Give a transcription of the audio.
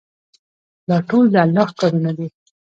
دا ټول د الله کارونه دي.